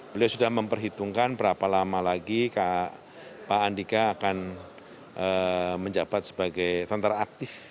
beliau sudah memperhitungkan berapa lama lagi pak andika akan menjabat sebagai tentara aktif